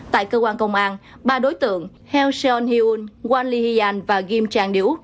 tại cơ quan công an ba đối tượng heo seon hyun won lee hyun và kim chang ryu